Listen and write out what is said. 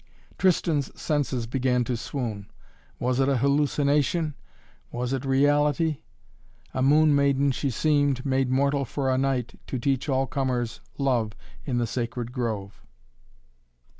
Tristan's senses began to swoon. Was it a hallucination was it reality? A moon maiden she seemed, made mortal for a night, to teach all comers love in the sacred grove.